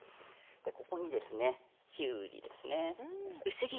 ここにきゅうりですね。